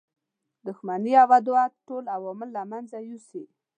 دښمنی او عداوت ټول عوامل له منځه یوسي.